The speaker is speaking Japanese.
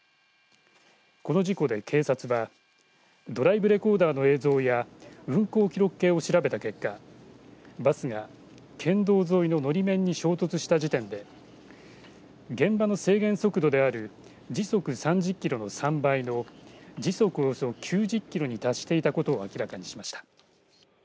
この事故で警察はドライブレコーダーの映像や運行記録計を調べた結果バスが県道沿いののり面に衝突した時点で現場の制限速度である時速３０キロの３倍の時速およそ９０キロに達していたことを明らかにしました。